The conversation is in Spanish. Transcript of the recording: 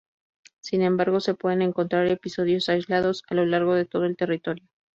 Sin embargo, se pueden encontrar episodios aislados a lo largo de todo el territorio.